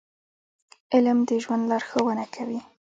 • علم د ژوند لارښوونه کوي.